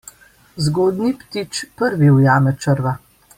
Zgodnji ptič prvi ujame črva.